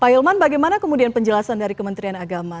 pak hilman bagaimana kemudian penjelasan dari kementerian agama